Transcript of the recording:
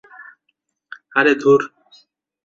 আরে, ধুর!